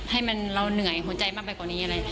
ให้เราเหนื่อยหัวใจมากไปกว่านี้อะไร